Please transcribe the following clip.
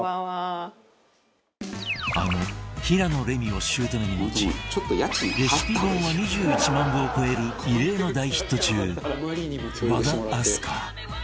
あの平野レミを姑に持ちレシピ本は２１万部を超える異例の大ヒット中和田明日香